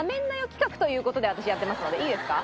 企画という事で私やってますのでいいですか？